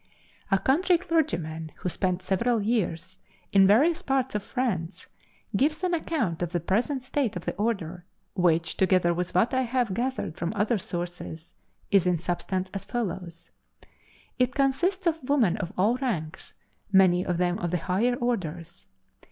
A country clergyman, who spent several years in various parts of France, gives an account of the present state of the order, which, together with what I have gathered from other sources, is in substance as follows: It consists of women of all ranks, many of them of the higher orders.